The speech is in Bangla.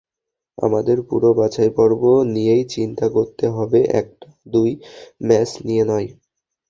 আমাদের পুরো বাছাইপর্ব নিয়েই চিন্তা করতে হবে, একটি-দুটি ম্যাচ নিয়ে নয়।